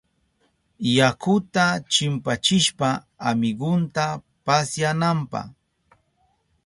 Yakuta chimpachishka amigunta pasyananpa.